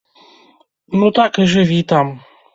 Ну так і жыві там!